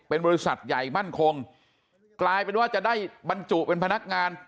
เป็นบริษัทใหญ่มั่นคงกลายเป็นว่าจะได้บรรจุเป็นพนักงาน